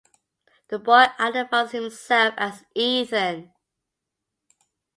The boy identifies himself as "Ethan".